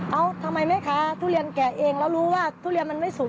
ทำไมแม่ค้าทุเรียนแกะเองแล้วรู้ว่าทุเรียนมันไม่สุก